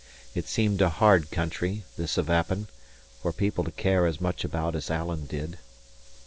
It seemed a hard country, this of Appin, for people to care as much about as Alan did.